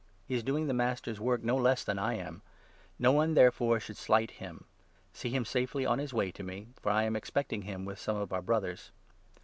He is doing the Master's work no less than I am. No one, n therefore, should slight him. See him safely on his way to me, for I am expecting him with some of our Brothers.